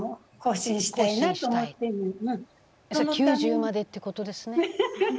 それ９０までっていうことですね。